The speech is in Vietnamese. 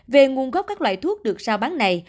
về nguồn gốc các loại thuốc được sao bán này